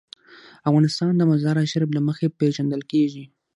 افغانستان د مزارشریف له مخې پېژندل کېږي.